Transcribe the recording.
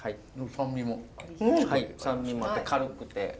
酸味もあって軽くて。